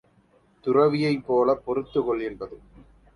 துறவியைப் போலப் பொறுத்துக் கொள் என்பது.